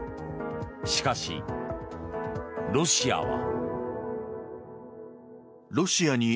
しかし、ロシアは。